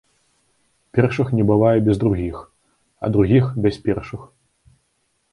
Першых не бывае без другіх, а другіх без першых.